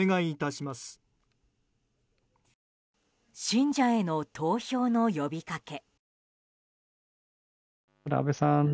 信者への投票の呼びかけ。